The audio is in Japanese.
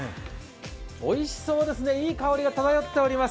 おいしそうですね、いい香りが漂っております。